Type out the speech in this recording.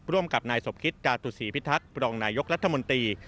ร่วมกับนสกศพิทักษ์พนรัฐมนตรี